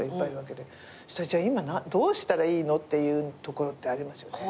じゃあ今どうしたらいいの？っていうところってありますよね。